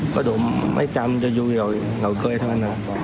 có đổ mấy trăm cho vui rồi ngồi cười thôi